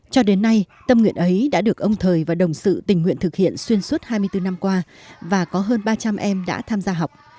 cho đến nay tâm nguyện ấy đã được ông thời và đồng sự tình nguyện thực hiện xuyên suốt hai mươi bốn năm qua và có hơn ba trăm linh em đã tham gia học